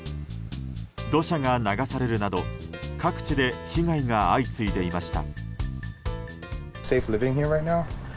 土砂が流されるなど各地で被害が相次いでいました。